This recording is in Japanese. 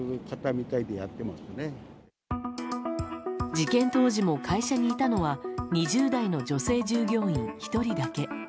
事件当時も会社にいたのは２０代の女性従業員１人だけ。